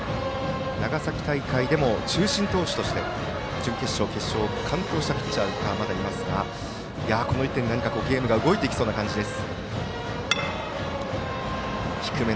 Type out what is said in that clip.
長崎大会でも中心投手として準決勝、決勝を完投したピッチャーがいますがこの１点で何かゲームが動いてきそうな感じです。